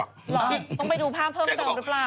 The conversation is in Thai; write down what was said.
เหรอต้องไปดูภาพเพิ่มเติมหรือเปล่า